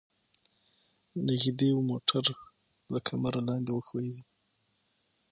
نږدې و موټر له کمره لاندې وښویيږي.